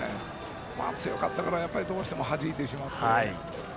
強かったから、どうしてもはじいてしまって。